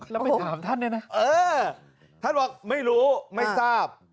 แล้วไปถามท่านเนี่ยนะเออท่านบอกไม่รู้ไม่ทราบ